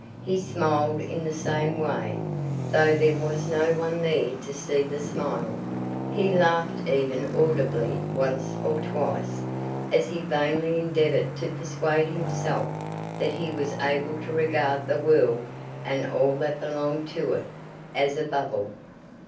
He smiled in the same way, though there was no one there to see the smile. He laughed even audibly once or twice, as he vainly endeavoured to persuade himself that he was able to regard the world and all that belonged to it as a bubble.